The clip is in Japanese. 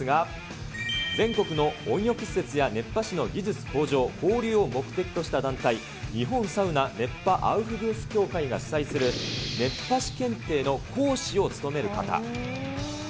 ッスル大野さんですが、全国の温浴施設や熱波師の技術向上、交流を目的とした団体、日本サウナ熱波アウフグース協会が主催する熱波師検定の講師を務める方。